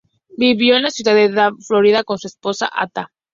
Vivió en la ciudad de Davie, Florida, con su esposa, Ata.